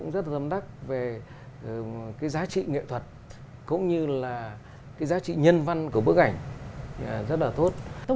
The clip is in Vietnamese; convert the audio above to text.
rất là tôn đắc về cái giá trị nghệ thuật cũng như là cái giá trị nhân văn của bức ảnh rất là tốt tôi